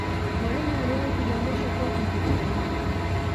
mourinho aliwahi kujiondosha porto na inter milan